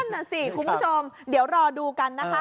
น่ะสิคุณผู้ชมเดี๋ยวรอดูกันนะคะ